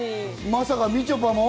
まさか、みちょぱも？